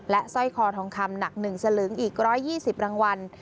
สร้อยคอทองคำหนัก๑สลึงอีก๑๒๐รางวัล